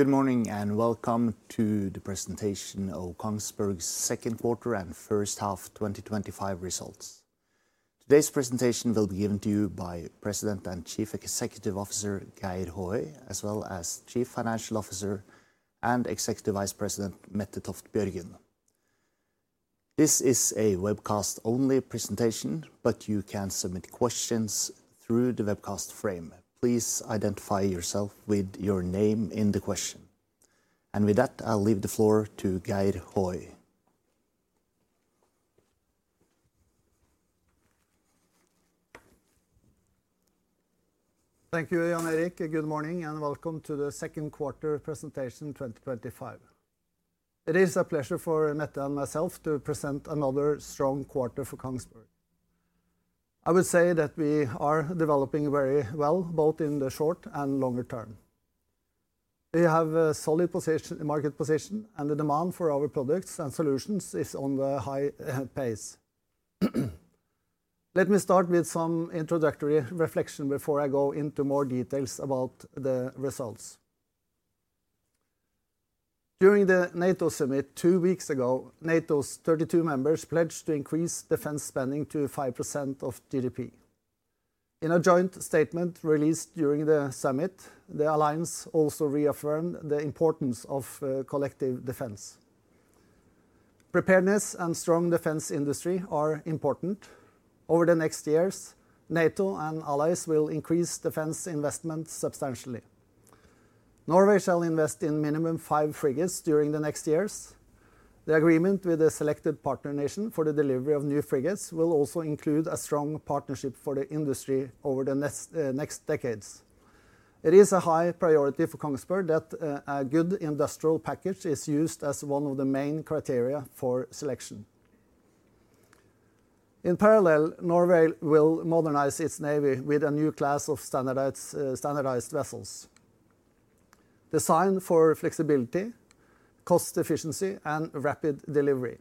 Good morning and welcome to the presentation of Kongsberg's second quarter and first half 2025 results. Today's presentation will be given to you by President and Chief Executive Officer Geir Håøy, as well as Chief Financial Officer and Executive Vice President Mette Toft Bjørgen. This is a webcast-only presentation, but you can submit questions through the webcast frame. Please identify yourself with your name in the question. With that, I'll leave the floor to Geir Håøy. Thank you, Jan Erik. Good morning and welcome to the second quarter presentation 2025. It is a pleasure for Mette and myself to present another strong quarter for Kongsberg. I would say that we are developing very well, both in the short and longer term. We have a solid market position, and the demand for our products and solutions is on a high pace. Let me start with some introductory reflection before I go into more details about the results. During the NATO summit two weeks ago, NATO's 32 members pledged to increase defense spending to 5% of GDP. In a joint statement released during the summit, the alliance also reaffirmed the importance of collective defense. Preparedness and strong defense industry are important. Over the next years, NATO and allies will increase defense investments substantially. Norway shall invest in a minimum of five frigates during the next years. The agreement with the selected partner nation for the delivery of new frigates will also include a strong partnership for the industry over the next decades. It is a high priority for Kongsberg that a good industrial package is used as one of the main criteria for selection. In parallel, Norway will modernize its navy with a new class of standardized vessels designed for flexibility, cost efficiency, and rapid delivery.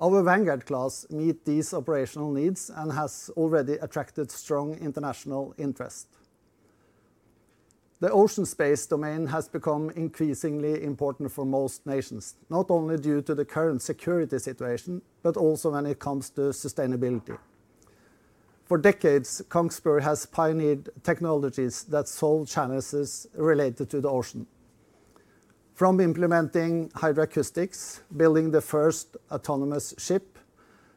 Our Vanguard class meets these operational needs and has already attracted strong international interest. The ocean space domain has become increasingly important for most nations, not only due to the current security situation, but also when it comes to sustainability. For decades, Kongsberg has pioneered technologies that solve challenges related to the ocean, from implementing hydroacoustics, building the first autonomous ship,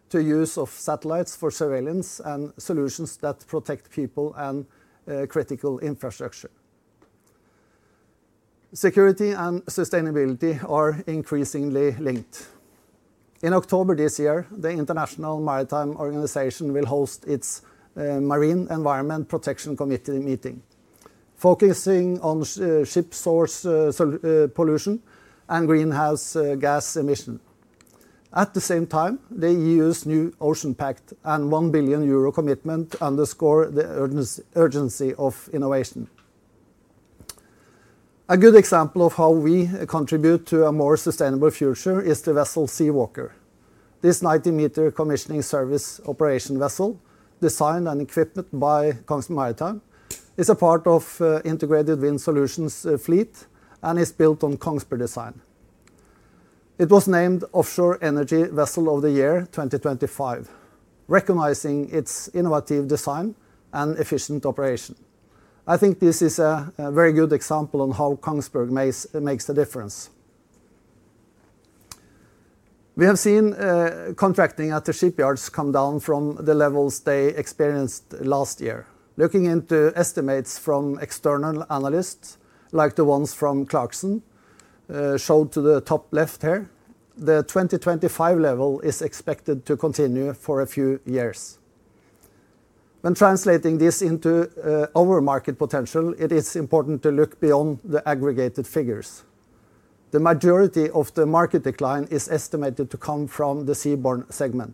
to the use of satellites for surveillance and solutions that protect people and critical infrastructure. Security and sustainability are increasingly linked. In October this year, the International Maritime Organization will host its Marine Environment Protection Committee meeting, focusing on ship source pollution and greenhouse gas emissions. At the same time, the EU's new ocean pact and 1 billion euro commitment underscore the urgency of innovation. A good example of how we contribute to a more sustainable future is the vessel Seawalker. This 90-meter commissioning service operation vessel, designed and equipped by Kongsberg Maritime, is a part of Integrated Wind Solutions fleet and is built on Kongsberg design. It was named Offshore Energy Vessel of the Year 2025, recognizing its innovative design and efficient operation. I think this is a very good example of how Kongsberg makes a difference. We have seen contracting at the shipyards come down from the levels they experienced last year. Looking into estimates from external analysts, like the ones from Clarkson. Shown to the top left here, the 2025 level is expected to continue for a few years. When translating this into our market potential, it is important to look beyond the aggregated figures. The majority of the market decline is estimated to come from the seaborne segment.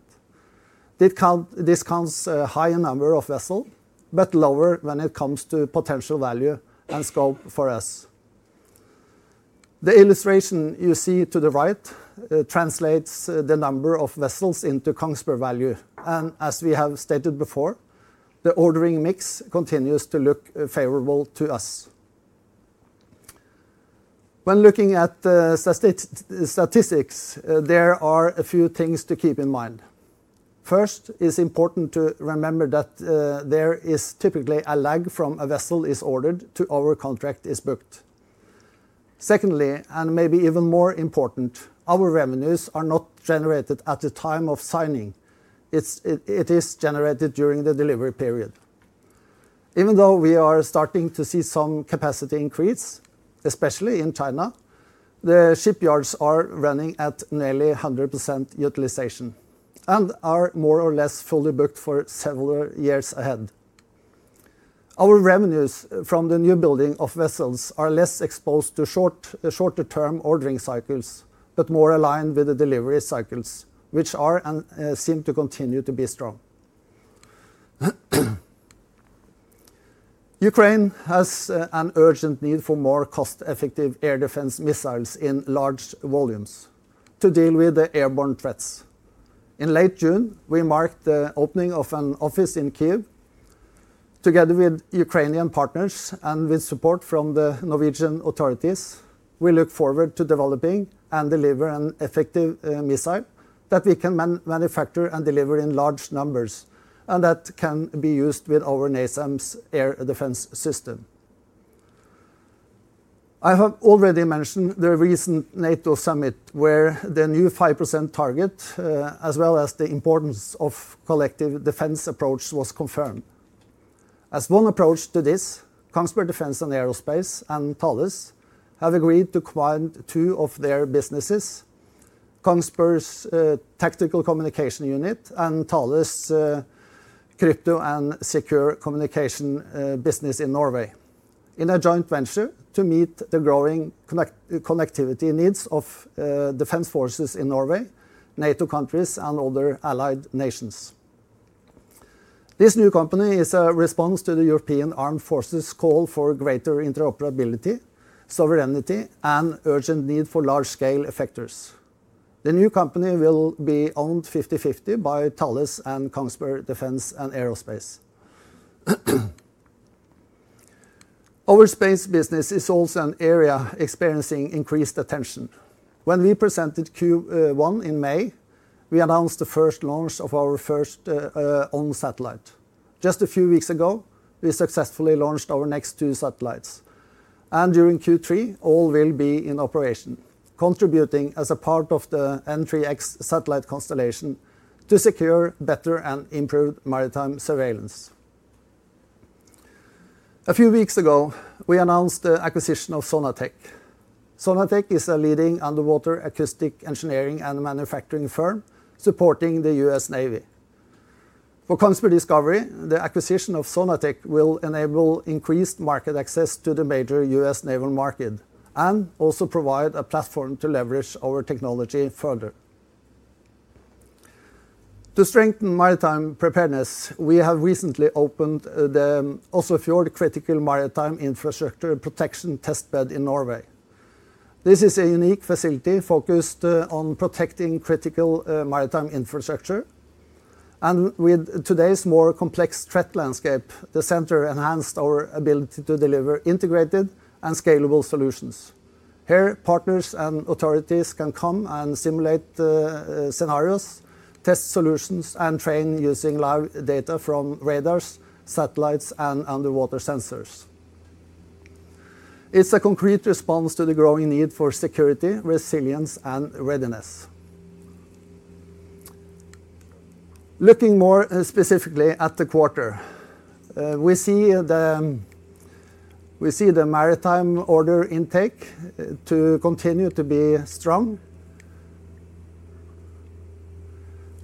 This counts a higher number of vessels, but lower when it comes to potential value and scope for us. The illustration you see to the right translates the number of vessels into Kongsberg value. As we have stated before, the ordering mix continues to look favorable to us. When looking at statistics, there are a few things to keep in mind. First, it is important to remember that there is typically a lag from when a vessel is ordered to when our contract is booked. Secondly, and maybe even more important, our revenues are not generated at the time of signing. It is generated during the delivery period. Even though we are starting to see some capacity increase, especially in China, the shipyards are running at nearly 100% utilization and are more or less fully booked for several years ahead. Our revenues from the new building of vessels are less exposed to shorter-term ordering cycles, but more aligned with the delivery cycles, which seem to continue to be strong. Ukraine has an urgent need for more cost-effective air defense missiles in large volumes to deal with the airborne threats. In late June, we marked the opening of an office in Kyiv. Together with Ukrainian partners and with support from the Norwegian authorities, we look forward to developing and delivering an effective missile that we can manufacture and deliver in large numbers and that can be used with our NASAMS Air Defence System. I have already mentioned the recent NATO summit where the new 5% target, as well as the importance of a collective defense approach, was confirmed. As one approach to this, Kongsberg Defence & Aerospace and Thales have agreed to combine two of their businesses. Kongsberg's Tactical Communication Unit and Thales' Crypto and Secure Communication business in Norway, in a joint venture to meet the growing connectivity needs of defense forces in Norway, NATO countries, and other allied nations. This new company is a response to the European Armed Forces' call for greater interoperability, sovereignty, and urgent need for large-scale effectors. The new company will be owned 50/50 by Thales and Kongsberg Defence & Aerospace. Our space business is also an area experiencing increased attention. When we presented Q1 in May, we announced the first launch of our first own satellite. Just a few weeks ago, we successfully launched our next two satellites. During Q3, all will be in operation, contributing as a part of the N3X satellite constellation to secure better and improved maritime surveillance. A few weeks ago, we announced the acquisition of Sonatech. Sonatech is a leading underwater acoustic engineering and manufacturing firm supporting the US Navy. For Kongsberg Discovery, the acquisition of Sonatech will enable increased market access to the major US naval market and also provide a platform to leverage our technology further. To strengthen maritime preparedness, we have recently opened the Oslofjord Critical Maritime Infrastructure Protection Testbed in Norway. This is a unique facility focused on protecting critical maritime infrastructure. With today's more complex threat landscape, the center enhanced our ability to deliver integrated and scalable solutions. Here, partners and authorities can come and simulate scenarios, test solutions, and train using live data from radars, satellites, and underwater sensors. It is a concrete response to the growing need for security, resilience, and readiness. Looking more specifically at the quarter, we see the maritime order intake continue to be strong,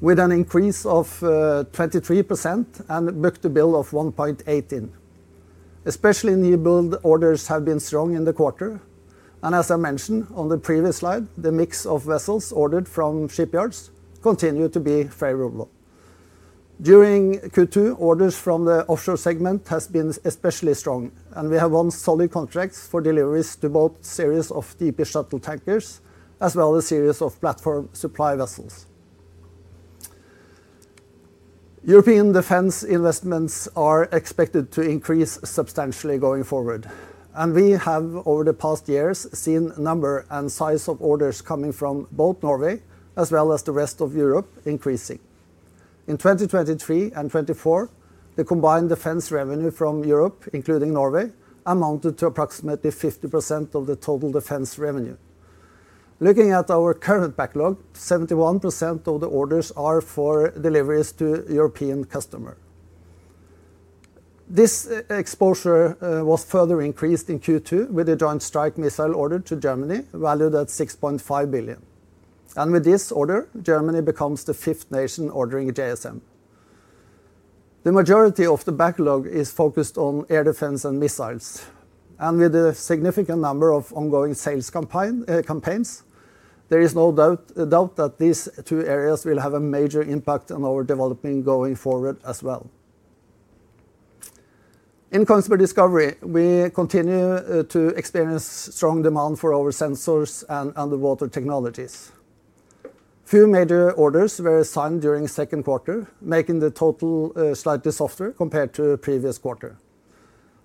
with an increase of 23% and book to bill of 1.18. Especially new build orders have been strong in the quarter. As I mentioned on the previous slide, the mix of vessels ordered from shipyards continued to be favorable. During Q2, orders from the offshore segment have been especially strong, and we have won solid contracts for deliveries to both a series of DP Shuttle Tankers as well as a series of Platform Supply Vessels. European defense investments are expected to increase substantially going forward. We have, over the past years, seen the number and size of orders coming from both Norway as well as the rest of Europe increasing. In 2023 and 2024, the combined defense revenue from Europe, including Norway, amounted to approximately 50% of the total defense revenue. Looking at our current backlog, 71% of the orders are for deliveries to European customers. This exposure was further increased in Q2 with a Joint Strike Missile order to Germany valued at 6.5 billion. With this order, Germany becomes the fifth nation ordering JSM. The majority of the backlog is focused on air defense and missiles. With the significant number of ongoing sales campaigns, there is no doubt that these two areas will have a major impact on our development going forward as well. In Kongsberg Discovery, we continue to experience strong demand for our sensors and underwater technologies. Few major orders were signed during the second quarter, making the total slightly softer compared to the previous quarter.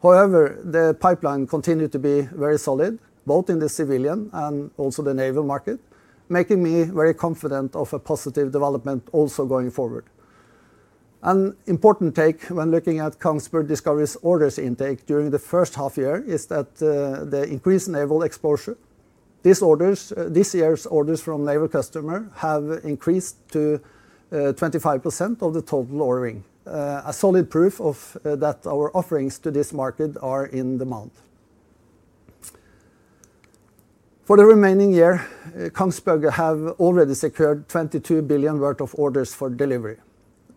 However, the pipeline continued to be very solid, both in the civilian and also the naval market, making me very confident of a positive development also going forward. An important take when looking at Kongsberg Discovery's orders intake during the first half year is the increased naval exposure. This year's orders from naval customers have increased to 25% of the total ordering, a solid proof that our offerings to this market are in demand. For the remaining year, Kongsberg has already secured 22 billion worth of orders for delivery.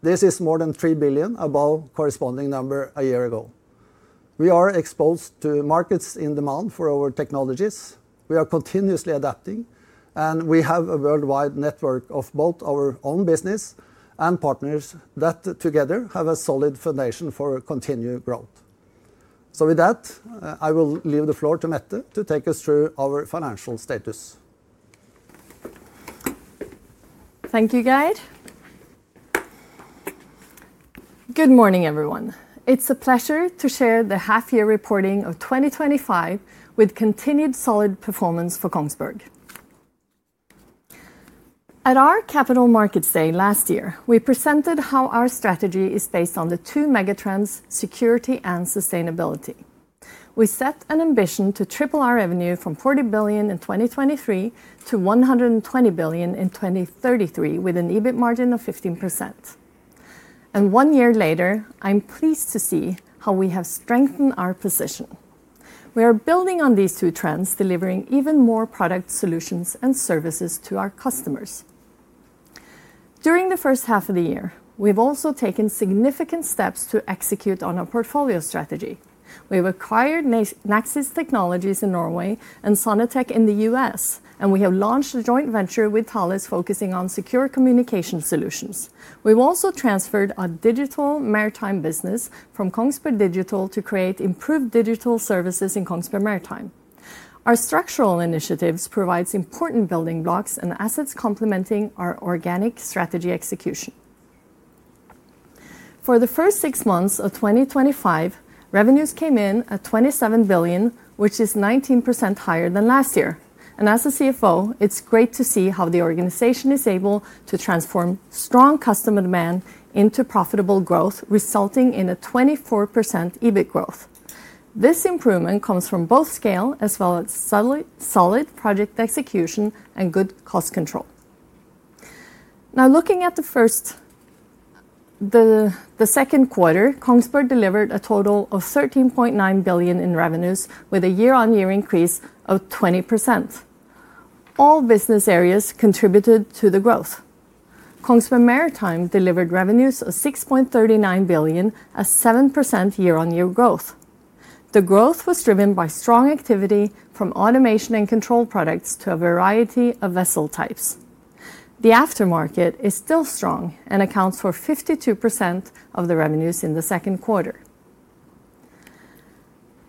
This is more than 3 billion, a corresponding number a year ago. We are exposed to markets in demand for our technologies. We are continuously adapting, and we have a worldwide network of both our own business and partners that together have a solid foundation for continued growth. With that, I will leave the floor to Mette to take us through our financial status. Thank you, Geir. Good morning, everyone. It is a pleasure to share the half-year reporting of 2025 with continued solid performance for Kongsberg. At our Capital Markets Day last year, we presented how our strategy is based on the two megatrends: security and sustainability. We set an ambition to triple our revenue from 40 billion in 2023 to 120 billion in 2033, with an EBIT margin of 15%. One year later, I am pleased to see how we have strengthened our position. We are building on these two trends, delivering even more product solutions and services to our customers. During the first half of the year, we've also taken significant steps to execute on our portfolio strategy. We've acquired Naxys Technologies in Norway and Sonatech in the U.S., and we have launched a joint venture with Thales, focusing on secure communication solutions. We've also transferred our digital maritime business from Kongsberg Digital to create improved digital services in Kongsberg Maritime. Our structural initiatives provide important building blocks and assets complementing our organic strategy execution. For the first six months of 2025, revenues came in at 27 billion, which is 19% higher than last year. As a CFO, it's great to see how the organization is able to transform strong customer demand into profitable growth, resulting in a 24% EBIT growth. This improvement comes from both scale as well as solid project execution and good cost control. Now, looking at the first. The second quarter, Kongsberg delivered a total of 13.9 billion in revenues, with a year-on-year increase of 20%. All business areas contributed to the growth. Kongsberg Maritime delivered revenues of 6.39 billion, a 7% year-on-year growth. The growth was driven by strong activity from automation and control products to a variety of vessel types. The aftermarket is still strong and accounts for 52% of the revenues in the second quarter.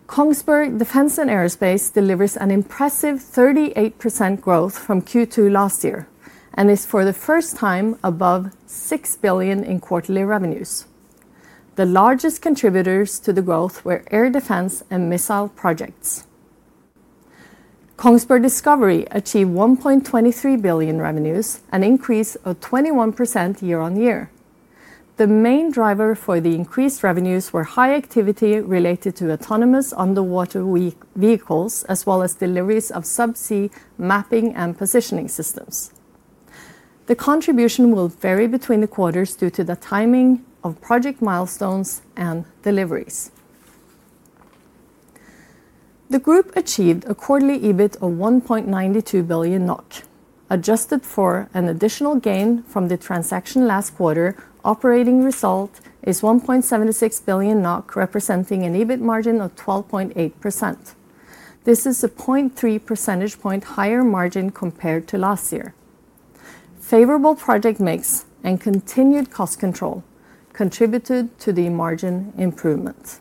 Kongsberg Defence & Aerospace delivers an impressive 38% growth from Q2 last year and is, for the first time, above 6 billion in quarterly revenues. The largest contributors to the growth were air defense and missile projects. Kongsberg Discovery achieved 1.23 billion revenues, an increase of 21% year-on-year. The main driver for the increased revenues was high activity related to autonomous underwater vehicles, as well as deliveries of subsea mapping and positioning systems. The contribution will vary between the quarters due to the timing of project milestones and deliveries. The group achieved a quarterly EBIT of 1.92 billion NOK. Adjusted for an additional gain from the transaction last quarter, the operating result is 1.76 billion NOK, representing an EBIT margin of 12.8%. This is a 0.3 percentage point higher margin compared to last year. Favorable project mix and continued cost control contributed to the margin improvement.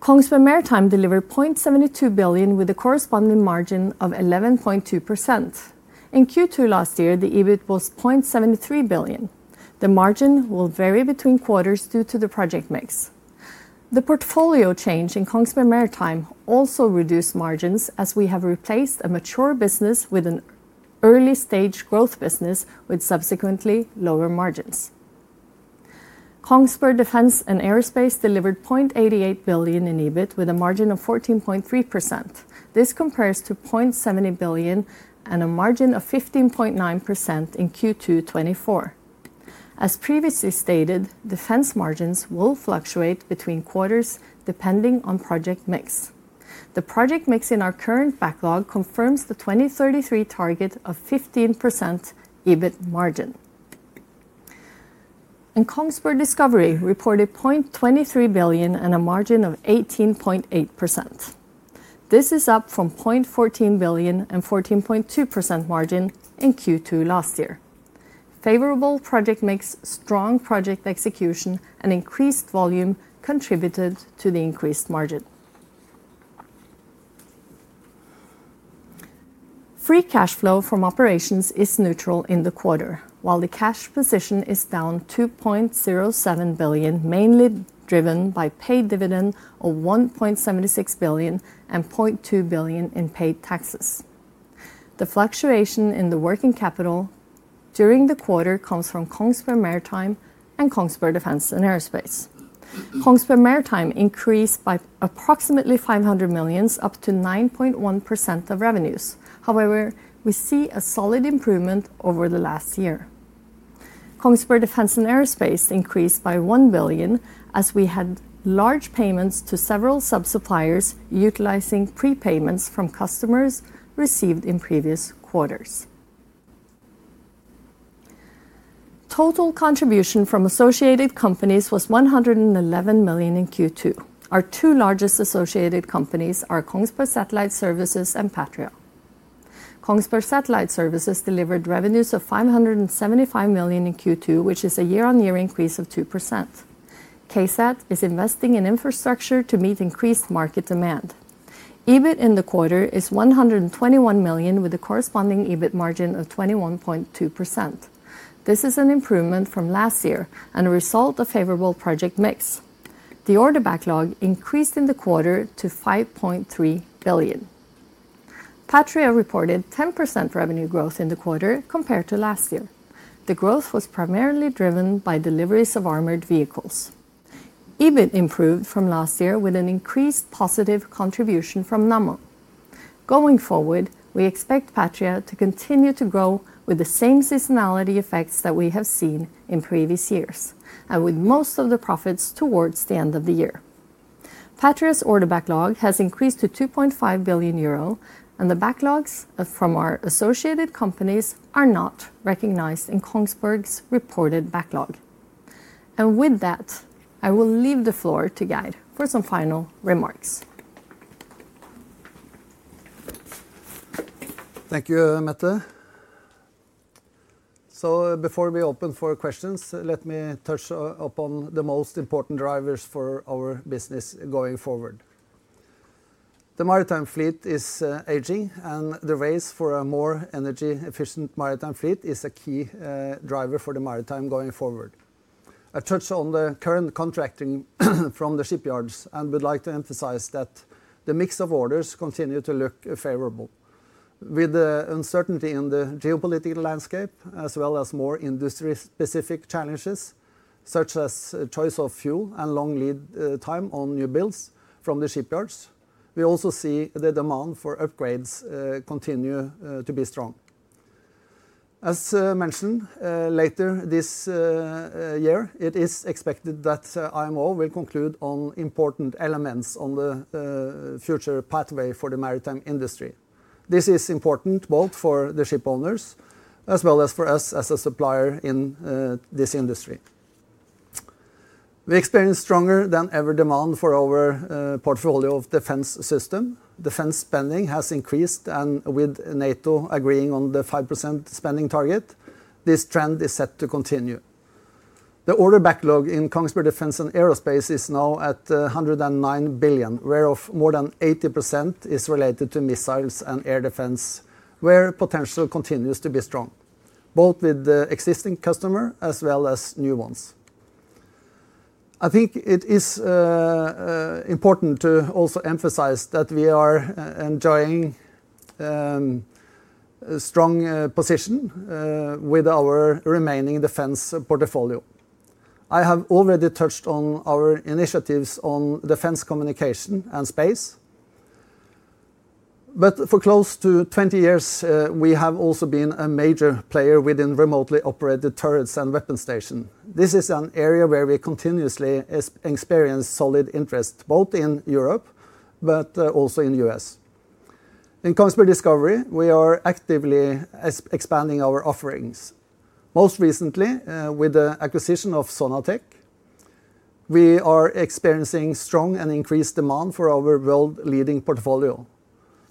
Kongsberg Maritime delivered 0.72 billion, with a corresponding margin of 11.2%. In Q2 last year, the EBIT was 0.73 billion. The margin will vary between quarters due to the project mix. The portfolio change in Kongsberg Maritime also reduced margins, as we have replaced a mature business with an early-stage growth business, with subsequently lower margins. Kongsberg Defence & Aerospace delivered 0.88 billion in EBIT, with a margin of 14.3%. This compares to 0.70 billion and a margin of 15.9% in Q2 2024. As previously stated, defense margins will fluctuate between quarters depending on project mix. The project mix in our current backlog confirms the 2033 target of 15% EBIT margin. Kongsberg Discovery reported 0.23 billion and a margin of 18.8%. This is up from 0.14 billion and 14.2% margin in Q2 last year. Favorable project mix, strong project execution, and increased volume contributed to the increased margin. Free cash flow from operations is neutral in the quarter, while the cash position is down 2.07 billion, mainly driven by paid dividend of 1.76 billion and 0.2 billion in paid taxes. The fluctuation in the working capital during the quarter comes from Kongsberg Maritime and Kongsberg Defence & Aerospace. Kongsberg Maritime increased by approximately 500 million up to 9.1% of revenues. However, we see a solid improvement over the last year. Kongsberg Defence & Aerospace increased by 1 billion, as we had large payments to several sub-suppliers utilizing prepayments from customers received in previous quarters. Total contribution from associated companies was 111 million in Q2. Our two largest associated companies are Kongsberg Satellite Services and Patria. Kongsberg Satellite Services delivered revenues of 575 million in Q2, which is a year-on-year increase of 2%. Caspar is investing in infrastructure to meet increased market demand. EBIT in the quarter is 121 million, with a corresponding EBIT margin of 21.2%. This is an improvement from last year and a result of favorable project mix. The order backlog increased in the quarter to 5.3 billion. Patria reported 10% revenue growth in the quarter compared to last year. The growth was primarily driven by deliveries of armored vehicles. EBIT improved from last year with an increased positive contribution from Nammo. Going forward, we expect Patria to continue to grow with the same seasonality effects that we have seen in previous years, and with most of the profits towards the end of the year. Patria's order backlog has increased to 2.5 billion euro, and the backlogs from our associated companies are not recognized in Kongsberg's reported backlog. With that, I will leave the floor to Geir for some final remarks. Thank you, Mette. Before we open for questions, let me touch upon the most important drivers for our business going forward. The maritime fleet is aging, and the race for a more energy-efficient maritime fleet is a key driver for the maritime going forward. I touched on the current contracting from the shipyards and would like to emphasize that the mix of orders continues to look favorable. With the uncertainty in the geopolitical landscape, as well as more industry-specific challenges such as choice of fuel and long lead time on new builds from the shipyards, we also see the demand for upgrades continue to be strong. As mentioned later, this year it is expected that IMO will conclude on important elements on the future pathway for the maritime industry. This is important both for the shipowners as well as for us as a supplier in this industry. We experience stronger-than-ever demand for our portfolio of defense systems. Defense spending has increased, and with NATO agreeing on the 5% spending target, this trend is set to continue. The order backlog in Kongsberg Defence & Aerospace is now at 109 billion, whereof more than 80% is related to missiles and air defense, where potential continues to be strong, both with the existing customers as well as new ones. I think it is important to also emphasize that we are enjoying a strong position with our remaining defense portfolio. I have already touched on our initiatives on defense communication and space. For close to 20 years, we have also been a major player within remotely operated turrets and weapon stations. This is an area where we continuously experience solid interest, both in Europe and in the U.S. in Kongsberg Discovery, we are actively expanding our offerings, most recently with the acquisition of Sonatech. We are experiencing strong and increased demand for our world-leading portfolio.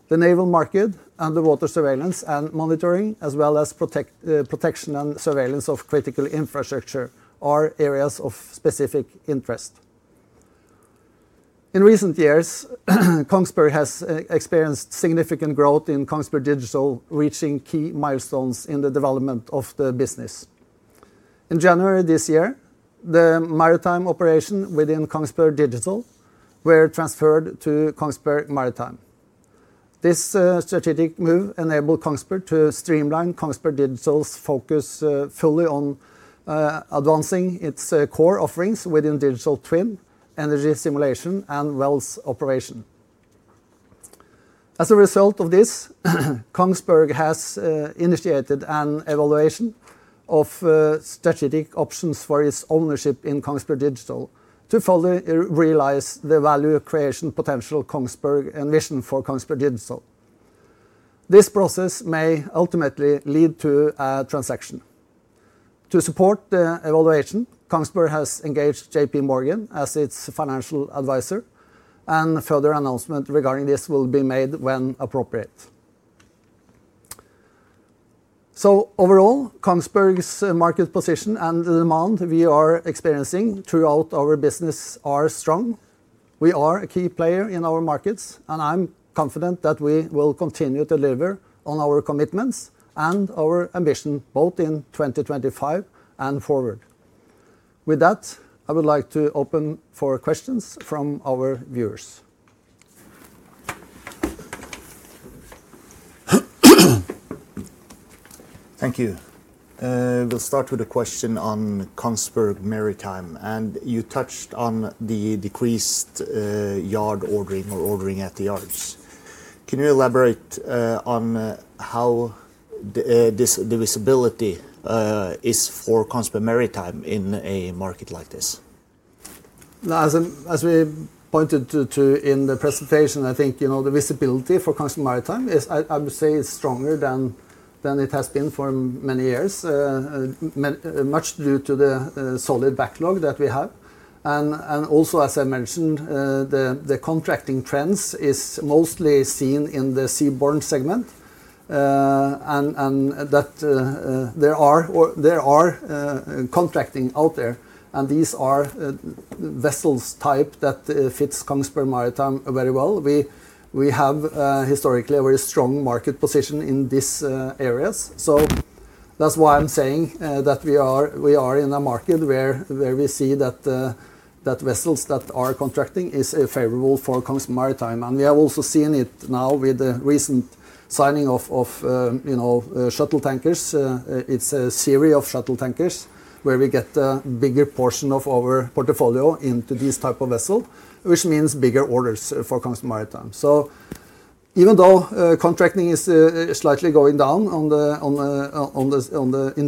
The naval market, underwater surveillance and monitoring, as well as protection and surveillance of critical infrastructure, are areas of specific interest. In recent years, Kongsberg has experienced significant growth in Kongsberg Digital, reaching key milestones in the development of the business. In January this year, the maritime operation within Kongsberg Digital was transferred to Kongsberg Maritime. This strategic move enabled Kongsberg to streamline Kongsberg Digital's focus fully on advancing its core offerings within digital twin, energy simulation, and wells operation. As a result of this, Kongsberg has initiated an evaluation of strategic options for its ownership in Kongsberg Digital to fully realize the value creation potential Kongsberg envisioned for Kongsberg Digital. This process may ultimately lead to a transaction. To support the evaluation, Kongsberg has engaged J.P. Morgan as its financial advisor, and further announcements regarding this will be made when appropriate. Overall, Kongsberg's market position and the demand we are experiencing throughout our business are strong. We are a key player in our markets, and I'm confident that we will continue to deliver on our commitments and our ambition both in 2025 and forward. With that, I would like to open for questions from our viewers. Thank you. We'll start with a question on Kongsberg Maritime, and you touched on the decreased yard ordering or ordering at the yards. Can you elaborate on how this visibility is for Kongsberg Maritime in a market like this? As we pointed to in the presentation, I think the visibility for Kongsberg Maritime is, I would say, stronger than it has been for many years. Much due to the solid backlog that we have. Also, as I mentioned, the contracting trends are mostly seen in the seaborn segment. There are contracting out there, and these are vessel types that fit Kongsberg Maritime very well. We have historically a very strong market position in these areas. That is why I am saying that we are in a market where we see that. Vessels that are contracting are favorable for Kongsberg Maritime. We have also seen it now with the recent signing of shuttle tankers. It is a series of shuttle tankers where we get a bigger portion of our portfolio into these types of vessels, which means bigger orders for Kongsberg Maritime. Even though contracting is slightly going down in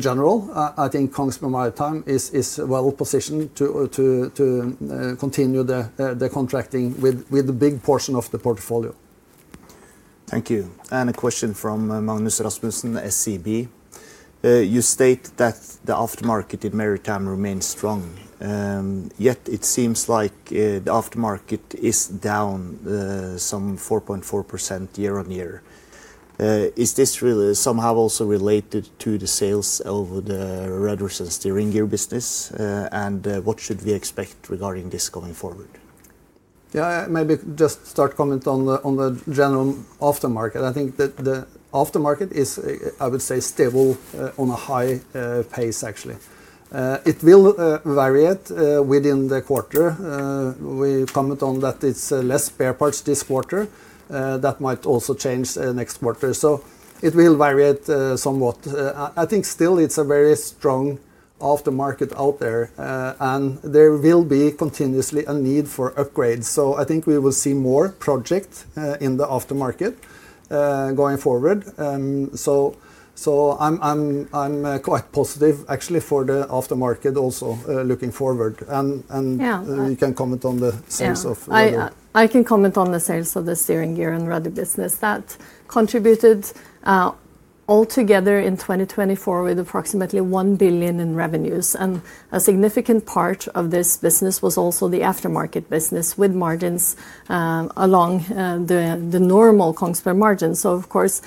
general, I think Kongsberg Maritime is well positioned to continue the contracting with the big portion of the portfolio. Thank you. A question from Magnus Rasmussen, SEB. You state that the aftermarket in maritime remains strong. Yet it seems like the aftermarket is down 4.4% year-on-year. Is this somehow also related to the sales of the rudder sense steering gear business, and what should we expect regarding this going forward? I maybe just start commenting on the general aftermarket. I think the aftermarket is, I would say, stable on a high pace, actually. It will vary within the quarter. We comment on that it's less spare parts this quarter. That might also change next quarter. It will vary somewhat. I think still it's a very strong aftermarket out there, and there will be continuously a need for upgrades. I think we will see more projects in the aftermarket going forward. I'm quite positive, actually, for the aftermarket also looking forward. You can comment on the sales of. I can comment on the sales of the steering gear and rudder business. That contributed altogether in 2024 with approximately 1 billion in revenues. A significant part of this business was also the aftermarket business with margins along the normal Kongsberg margin. Of course,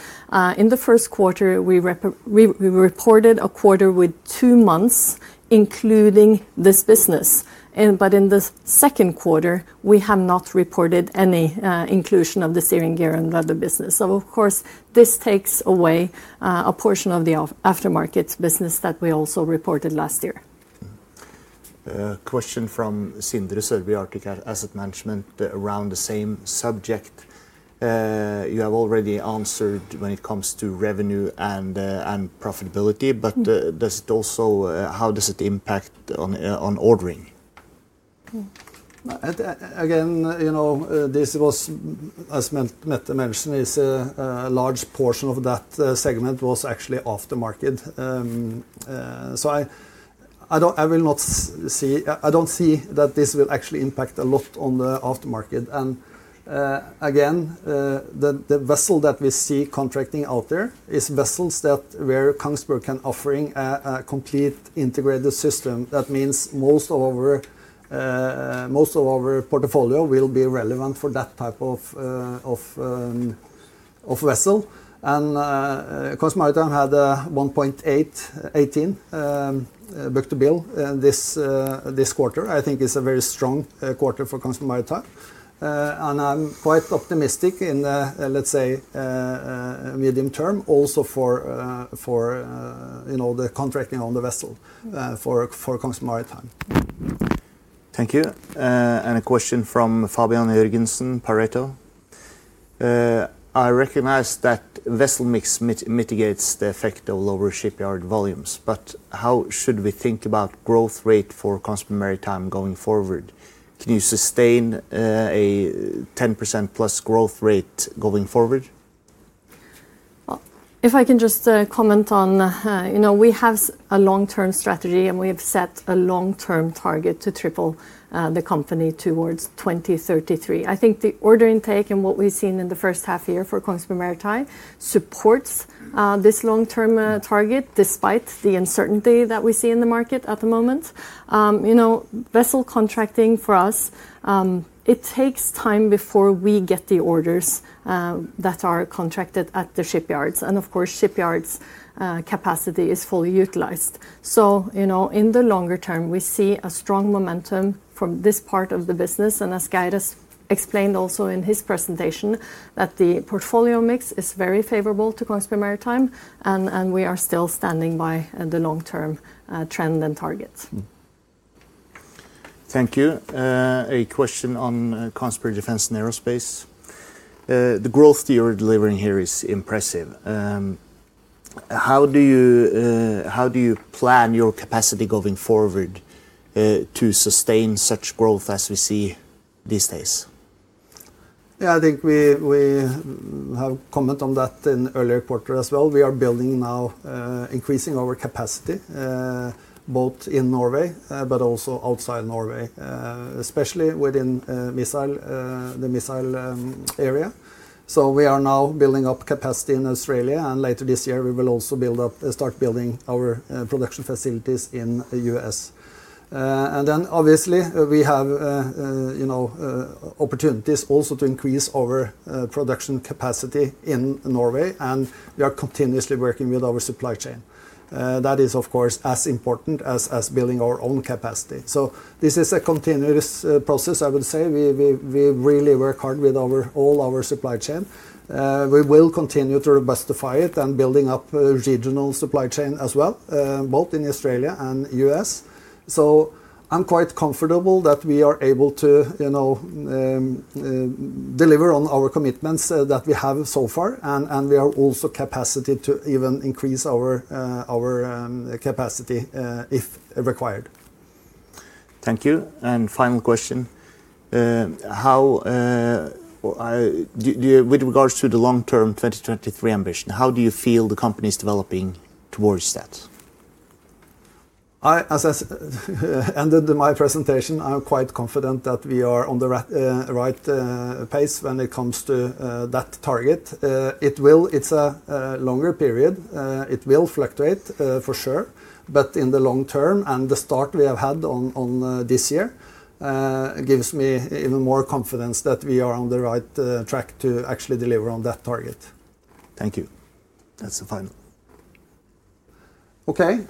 in the first quarter, we. Reported a quarter with two months including this business. In the second quarter, we have not reported any inclusion of the steering gear and rudder business. This takes away a portion of the aftermarket business that we also reported last year. Question from Sindre Sørbye, Arctic Asset Management, around the same subject. You have already answered when it comes to revenue and profitability, but does it also, how does it impact on ordering? Again, this was, as Mette mentioned, a large portion of that segment was actually aftermarket. I will not see, I do not see that this will actually impact a lot on the aftermarket. The vessels that we see contracting out there are vessels where Kongsberg can offer a complete integrated system. That means most of our portfolio will be relevant for that type of vessel. Kongsberg Maritime had a 1.18. Book to bill this quarter. I think it's a very strong quarter for Kongsberg Maritime. I am quite optimistic in the, let's say, medium term, also for the contracting on the vessel for Kongsberg Maritime. Thank you. A question from Fabian Jørgensen, Pareto. I recognize that vessel mix mitigates the effect of lower shipyard volumes, but how should we think about growth rate for Kongsberg Maritime going forward? Can you sustain a 10% plus growth rate going forward? If I can just comment on, we have a long-term strategy, and we have set a long-term target to triple the company towards 2033. I think the ordering take and what we have seen in the first half year for Kongsberg Maritime supports this long-term target despite the uncertainty that we see in the market at the moment. Vessel contracting for us. It takes time before we get the orders that are contracted at the shipyards. Of course, shipyards' capacity is fully utilized. In the longer term, we see a strong momentum from this part of the business. As Geir has explained also in his presentation, the portfolio mix is very favorable to Kongsberg Maritime, and we are still standing by the long-term trend and targets. Thank you. A question on Kongsberg Defence & Aerospace. The growth you're delivering here is impressive. How do you plan your capacity going forward to sustain such growth as we see these days? Yeah, I think we have commented on that in the earlier quarter as well. We are building now, increasing our capacity both in Norway, but also outside Norway, especially within the missile area. We are now building up capacity in Australia, and later this year, we will also start building our production facilities in the U.S. obviously, we have opportunities also to increase our production capacity in Norway, and we are continuously working with our supply chain. That is, of course, as important as building our own capacity. This is a continuous process, I would say. We really work hard with all our supply chain. We will continue to robustify it and build up a regional supply chain as well, both in Australia and the U.S. I am quite comfortable that we are able to deliver on our commitments that we have so far, and we are also capable to even increase our capacity if required. Thank you. Final question. With regards to the long-term 2023 ambition, how do you feel the company is developing towards that? As I ended my presentation, I'm quite confident that we are on the right pace when it comes to that target. It's a longer period. It will fluctuate for sure, but in the long term, and the start we have had this year gives me even more confidence that we are on the right track to actually deliver on that target. Thank you. That's the final. Okay,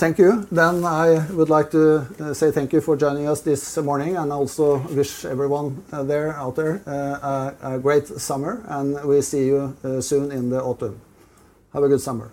thank you. Then I would like to say thank you for joining us this morning, and I also wish everyone out there a great summer, and we see you soon in the autumn. Have a good summer.